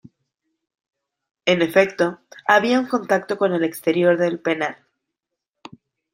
En efecto, había un contacto con el exterior del penal.